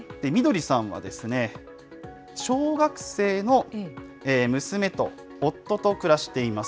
ミドリさんは、小学生の娘と夫と暮らしています。